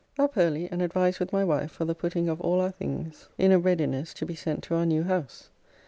Up early and advised with my wife for the putting of all our things in a readiness to be sent to our new house.